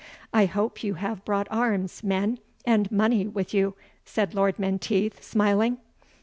"I hope you have brought arms, men, and money with you," said Lord Menteith, smiling.